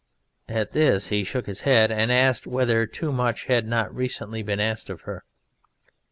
At this he shook his head and asked whether too much had not recently been asked of her.